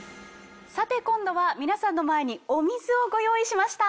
さて今度は皆さんの前にお水をご用意しました。